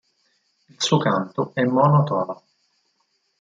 Il suo canto è monotono.